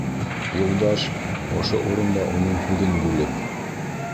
Юлдаш, ошо урында уның һүҙен бүлеп: